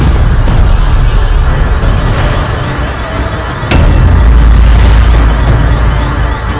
selasi selasi bangun